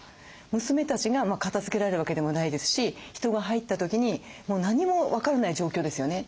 娘たちが片づけられるわけでもないですし人が入った時に何も分からない状況ですよね。